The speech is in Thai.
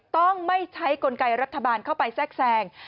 ต้องไม่ใช้กลไกรัฐบาลเข้าไปแทรกแทรง